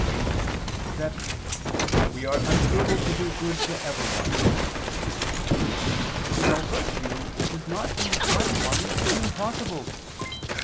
i, 28) that we "are unable to do good to everyone." Now virtue does not incline one to the impossible.